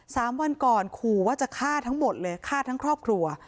สามวันก่อนขู่ว่าจะฆ่าทั้งหมดเลยฆ่าทั้งครอบครัว